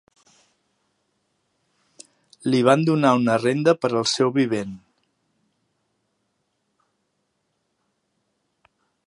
Li van donar una renda per al seu vivent.